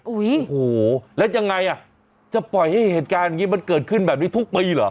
โอ้โหแล้วยังไงอ่ะจะปล่อยให้เหตุการณ์อย่างนี้มันเกิดขึ้นแบบนี้ทุกปีเหรอ